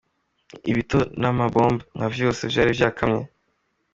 Ibito n’ama bombo nka vyose vyari vyakamye.